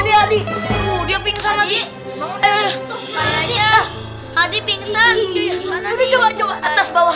tadi udah pingsan lagi eh ada hadit pingsan ya mana coba coba atas bawah